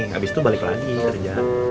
habis itu balik lagi kerja